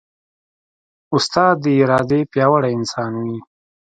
استاد د ارادې پیاوړی انسان وي.